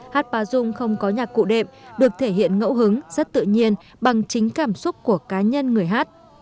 hát bá dung không có nhạc cụ đệm được thể hiện ngẫu hứng rất tự nhiên bằng chính cảm xúc của cá nhân người hát